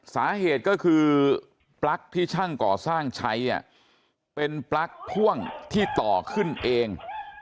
สาเหตุก็คือปลั๊กที่ช่างก่อสร้างใช้เป็นปลั๊กพ่วงที่ต่อขึ้นเอง